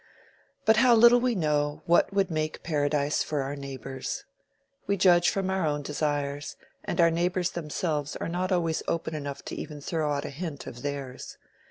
But how little we know what would make paradise for our neighbors! We judge from our own desires, and our neighbors themselves are not always open enough even to throw out a hint of theirs.